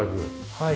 はい。